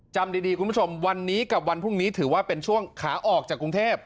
จำดีคุณผู้ชมวันนี้กับวันพรุ่งนี้ถือว่าเป็นช่วงขาออกจากกรุงเทพ